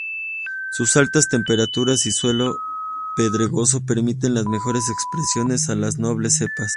Sus altas temperaturas y suelo pedregoso permiten las mejores expresiones a las nobles cepas.